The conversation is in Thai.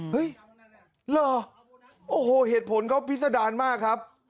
เหรอโอ้โหเหตุผลเขาพิษดารมากครับ